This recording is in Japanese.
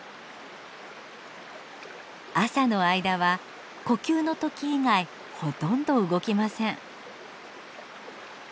朝の間は呼吸の時以外ほとんど動きません。